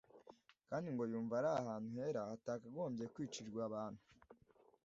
kandi ngo yumva ari ahantu hera hatakagombye kwicirwa abantu